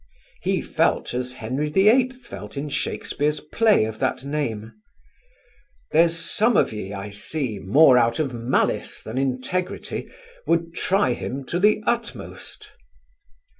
He felt as Henry VIII felt in Shakespeare's play of that name: "... there's some of ye, I see, More out of malice than integrity, Would try him to the utmost